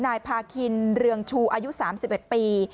นายพาคินเรืองชูอายุ๓๑ปี